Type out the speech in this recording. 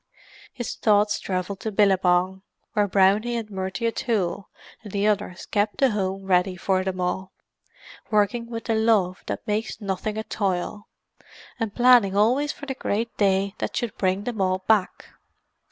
His thoughts travelled to Billabong, where Brownie and Murty O'Toole and the others kept the home ready for them all, working with the love that makes nothing a toil, and planning always for the great day that should bring them all back.